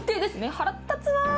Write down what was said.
腹立つわ！